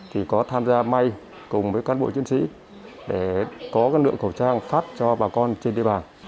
thì có tham gia may cùng với cán bộ chiến sĩ để có lượng khẩu trang phát cho bà con trên địa bàn